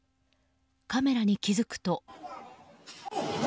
カメラに気付くと。